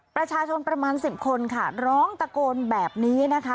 ประชาชนประมาณ๑๐คนค่ะร้องตะโกนแบบนี้นะคะ